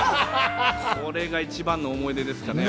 これが一番の思い出ですかね。